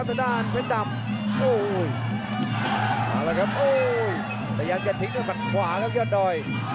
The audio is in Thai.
โอ้โหมาแล้วครับโอ้ยพยายามจะทิ้งด้วยมันขวาครับเค้นดำ